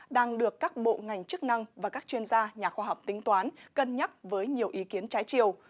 đang được các bộ ngành chức năng và các chuyên gia nhà khoa học tính toán cân nhắc với nhiều ý kiến trái chiều